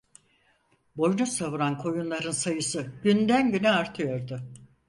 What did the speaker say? Boynuz savuran koyunların sayısı günden güne artıyordu.